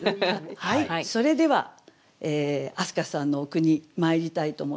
はいそれでは明日香さんのお句にまいりたいと思います。